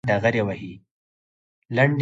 لنډې کیسې پند لري